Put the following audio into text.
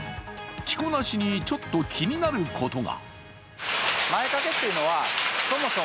着こなしにちょっと気になることが。